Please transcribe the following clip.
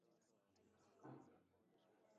jamhuri hii Mwaka wa elfumoja miatisa themanini nne